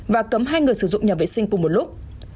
và cấm hai người sử dụng nhà vệ sinh cùng một lúc